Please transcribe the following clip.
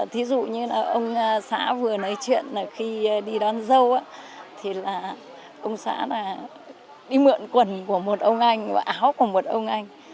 thí dụ như là ông xã vừa nói chuyện là khi đi đón dâu thì là ông xã là đi mượn quần của một ông anh và áo của một ông anh